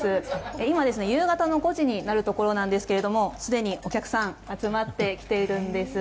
今、夕方の５時になるところですがすでにお客さんが集まってきているんです。